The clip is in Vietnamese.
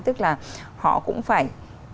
tức là họ cũng phải